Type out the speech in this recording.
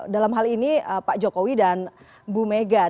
dalam hal ini pak jokowi dan bu mega